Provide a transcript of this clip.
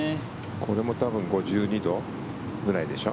これも多分５２度ぐらいでしょ？